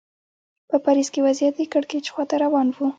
په پاریس کې وضعیت د کړکېچ خوا ته روان و.